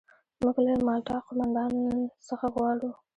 موږ له مالټا قوماندان څخه غواړو.